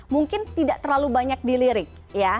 mungkin tidak terlalu banyak dilirik ya